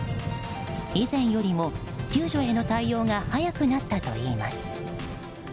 以前よりも救助への対応が早くなったといいます。